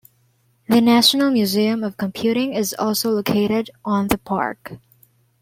The National Museum of Computing is also located on the Park.